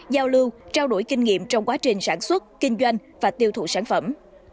giao lưu trao đổi kinh nghiệm trong quá trình sản xuất kinh doanh và tiêu thụ sản phẩm